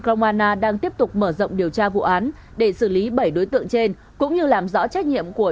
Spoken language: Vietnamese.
công ana đang tiếp tục mở rộng điều tra vụ án để xử lý bảy đối tượng trên cũng như làm rõ trách nhiệm của